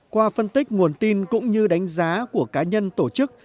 qua phân tích nguồn tin cũng như đánh giá của cá nhân tổ chức